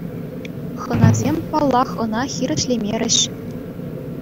Хӑнасем, паллах, ӑна хирӗҫлемерӗҫ.